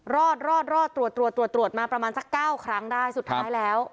รอดรอดตรวจตรวจตรวจมาประมาณสักเก้าครั้งได้สุดท้ายแล้ว